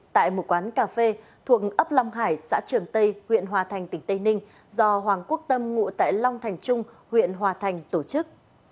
tại một quán cà phê thuộc ấp long hải xã trường tây huyện hòa thành tỉnh tây ninh do hoàng quốc tâm ngụ tại long thành trung huyện hòa thành tổ chức